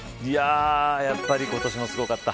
やっぱり今年もすごかった。